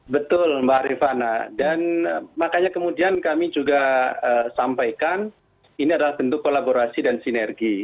betul mbak rifana dan makanya kemudian kami juga sampaikan ini adalah bentuk kolaborasi dan sinergi